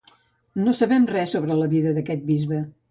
No sabem res sobre la vida d'aquest bisbe.